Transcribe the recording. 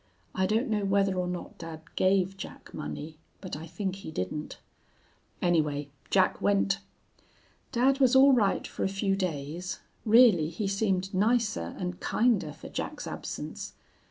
I don't know whether or not dad gave Jack money, but I think he didn't. Anyway, Jack went. "Dad was all right for a few days. Really, he seemed nicer and kinder for Jack's absence.